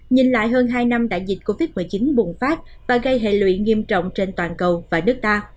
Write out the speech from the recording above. nhìn lại hơn hai năm đại dịch covid một mươi chín bùng phát và gây hệ lụy nghiêm trọng trên toàn cầu và nước ta